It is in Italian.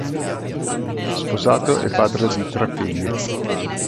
Sposato e padre di tre figli.